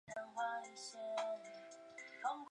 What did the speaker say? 但本次流行事件死者最多的却是青壮年。